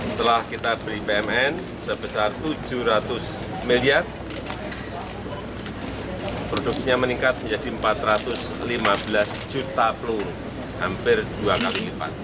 setelah kita beli pmn sebesar tujuh ratus miliar produksinya meningkat menjadi empat ratus lima belas juta peluru hampir dua kali lipat